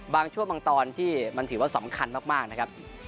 บางช่วงบางตอนที่มันถือว่าสำคัญมากนะครับ